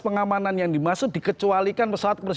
pengamanan yang dimaksud dikecualikan pesawat